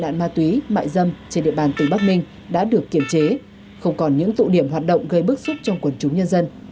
nạn ma túy mại dâm trên địa bàn tỉnh bắc ninh đã được kiềm chế không còn những tụ điểm hoạt động gây bức xúc trong quần chúng nhân dân